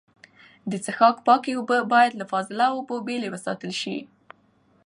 د څښاک پاکې اوبه باید له فاضله اوبو بېلې وساتل سي.